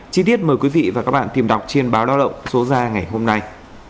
chi tiết mời quý vị và các bạn tìm đọc trên báo lao động số ra ngày hôm nay